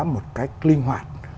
một cách linh hoạt